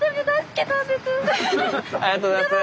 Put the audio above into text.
ありがとうございます。